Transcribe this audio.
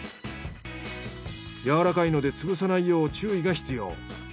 やわらかいので潰さないよう注意が必要。